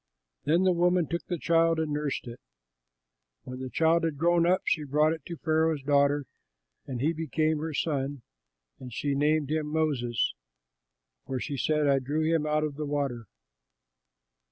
Then the woman took the child and nursed it. When the child had grown up, she brought him to Pharaoh's daughter, and he became her son; and she named him Moses, for she said, "I drew him out of the water."